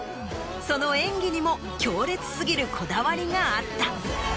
その演技にも強烈過ぎるこだわりがあった。